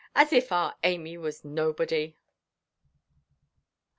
as if our Amy was nobody!"